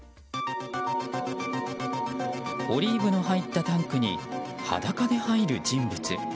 オリーブが入ったタンクに裸で入る人物。